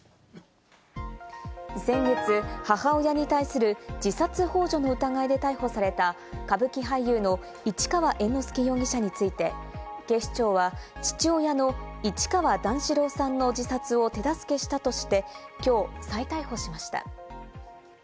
先月、母親に対する自殺ほう助の疑いで逮捕された歌舞伎俳優の市川猿之助容疑者について、警視庁は父親の市川段四郎さんの自殺を手助けしたとして、きょう再逮捕しました。